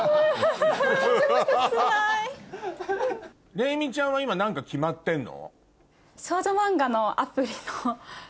玲実ちゃんは今何か決まってんの？